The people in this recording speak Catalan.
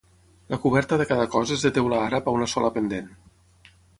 La coberta de cada cos és de teula àrab a una sola pendent.